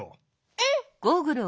うん！